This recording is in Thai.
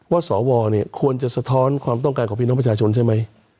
ว่าสอวรควรจะสะทอนความต้องการของพีนรพชาชนใช่ไหม